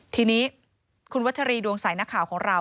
ทีนี้คุณวัชรีดวงใสนักข่าวของเรา